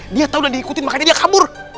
dia tahu dan diikutin makanya dia kabur